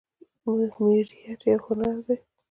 میریت یو هنر دی